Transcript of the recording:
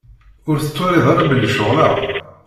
Ur tettwaliḍ ara belli ceɣleɣ?